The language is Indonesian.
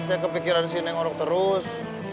saya kepikiran si neng orok terus